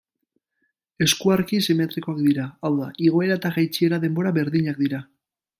Eskuarki, simetrikoak dira, hau da, igoera eta jaitsiera-denborak berdinak dira.